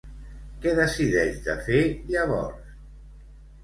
Què decideix de fer, llavors?